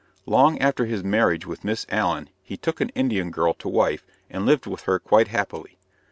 Long after his marriage with Miss Allen he took an Indian girl to wife and lived with her quite happily.